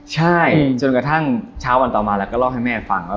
ใช่จนกระทั่งเช้าวันต่อมาเราก็เล่าให้แม่ฟังว่า